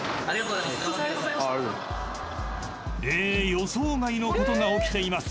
予想外のことが起きています］